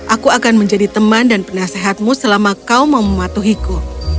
aku akan menjadi teman dan penasehatmu selama kau mau mematuhiku